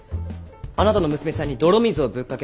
あなたの娘さんに泥水をぶっかけられた。